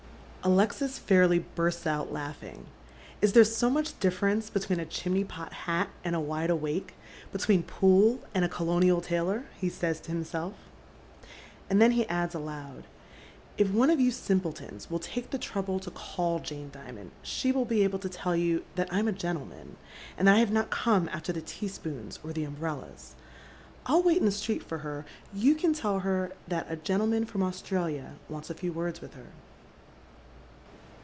Alexis fairly bursts out laughing. " fs there so much difference beit veen a chimney pot hat and ^ tride awake? between Poole and a colonial tailor?" he naya ;,i 118 Dead Mefii Shoes. himself, and then he adds aloud. " If one of you simpletons will take the trouble to call Jane Dimond, she will be able to tell you that I'm a gentleman, and that I have not come after the tea spoons or the umbrellas. I'll wait in the street for her. You "an tell her that a gentleman from Australia wants a few words with her."